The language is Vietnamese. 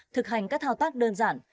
thực hành các thao tác đơn giản